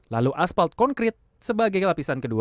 lalu aspal konkret sebagai lapisan kedua